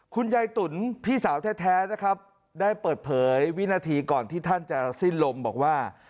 คุณยายตุ๋นพี่สาวแท้นะครับได้เปิดเผยวินาทีก่อนที่ท่านจะสิ้นลมบอกว่า